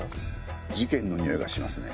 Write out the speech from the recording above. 事件のにおいがしますね。